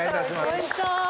おいしそう！